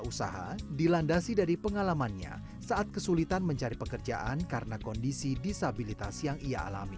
usaha dilandasi dari pengalamannya saat kesulitan mencari pekerjaan karena kondisi disabilitas yang ia alami